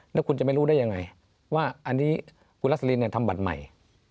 แล้วคุณจะไม่รู้ได้ยังไงว่าอันนี้คุณรัสลินทำบัตรใหม่